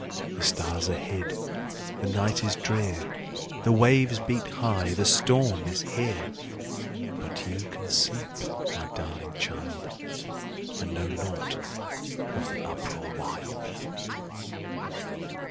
The stars are hid, the night is drear, The waves beat high, the storm is here; But you can sleep, my darling child, And know naught of the uproar wild."